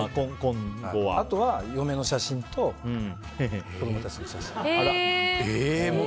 あとは嫁の写真と子供たちの写真。